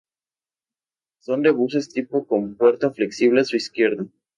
Son de buses tipo con puerta flexible a su izquierda